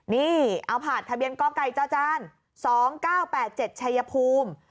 นี่เอาผาดทะเบียนกไก่จจ๒๙๘๗ชัยภูมิ